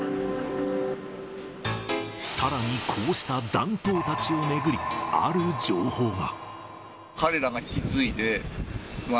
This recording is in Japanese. さらにこうした残党たちを巡り、ある情報が。